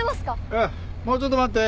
あっもうちょっと待って。